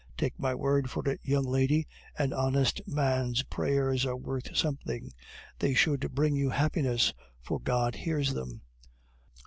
"Take my word for it, young lady, an honest man's prayers are worth something; they should bring you happiness, for God hears them."